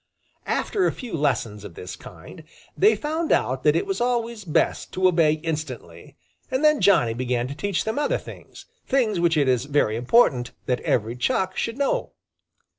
After a few lessons of this kind, they found out that it was always best to obey instantly, and then Johnny began to teach them other things, things which it is very important that every Chuck should know.